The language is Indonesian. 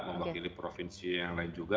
mewakili provinsi yang lain juga